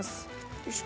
よいしょ。